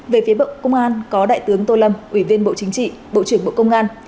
về phía bộ công an có đại tướng tô lâm ủy viên bộ chính trị bộ trưởng bộ công an